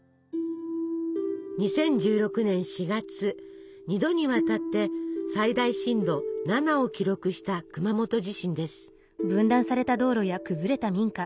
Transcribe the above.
２０１６年４月２度にわたって最大震度７を記録した熊本地震です。